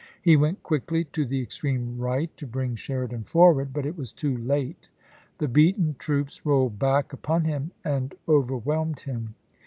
He went quickly to the extreme right to bring Sheridan forward, but it was too late ; the beaten troops rolled back upon him and overwhelmed him.